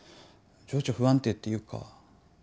情緒不安定っていうか。